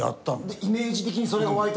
イメージ的にそれが湧いた。